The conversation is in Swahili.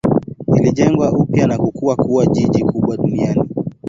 Ilijengwa upya na kukua kuwa jiji kubwa duniani.